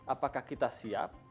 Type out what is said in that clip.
apakah kita siap